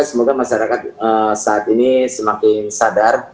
semoga masyarakat saat ini semakin sadar